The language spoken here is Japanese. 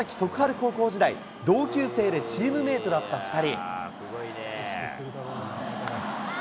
高校時代、同級生でチームメートだった２人。